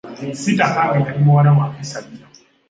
Sitakange yali muwala wa mpisa nnyo.